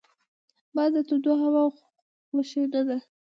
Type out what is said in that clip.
باز د تودو هواوو خوښ نه دی